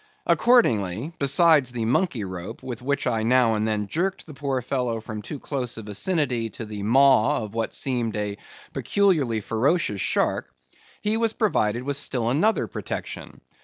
Accordingly, besides the monkey rope, with which I now and then jerked the poor fellow from too close a vicinity to the maw of what seemed a peculiarly ferocious shark—he was provided with still another protection.